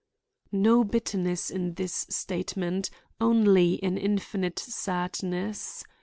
No bitterness in this statement, only an infinite sadness.